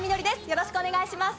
よろしくお願いします。